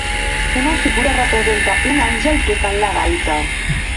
Una figura representa un àngel tocant la gaita.